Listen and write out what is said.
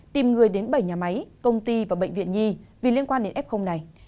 tìm người đến bảy nhà máy công ty và bệnh viện nhi vì liên quan đến f này